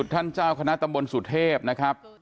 ท่านเจ้าคณะตำบลสุเทพนะครับ